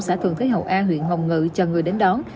xã thường thế hậu a huyện hồng ngự chờ người đến đón